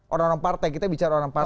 orang orang partai kita bicara orang partai